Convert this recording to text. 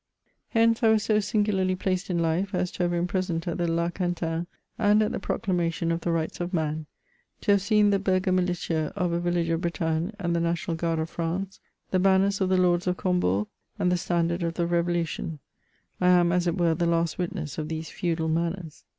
Hence I was so singularly placed in life, as to have been present at the ''La Quintaine," and at the proclamation of the rights of man ; to have seen the Burgher Militia of a village of Bretagne and the National Guard of France ; the banners of the Lords of Combourg, and the standard of the 90 MEMOIRS OF Berolution. I am, as it were, the last witness of these feudal maimers.